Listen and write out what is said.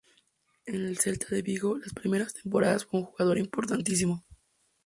En el Celta de Vigo las primeras temporadas fue un jugador importantísimo.